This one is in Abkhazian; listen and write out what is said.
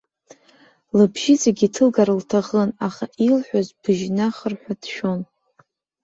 Лыбжьы иҵегь иҭылгар лҭахын, аха илҳәоз быжьнахырҳәа дшәон.